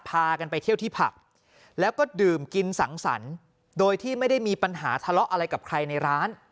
พากันไปเที่ยวที่ผับแล้วก็ดื่มกินสังสรรค์โดยที่ไม่ได้มีปัญหาทะเลาะอะไรกับใครในร้าน